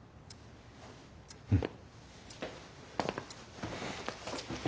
うん。